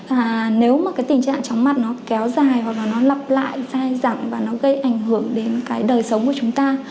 và nếu mà cái tình trạng chóng mặt nó kéo dài hoặc là nó lặp lại dai dẳng và nó gây ảnh hưởng đến cái đời sống của chúng ta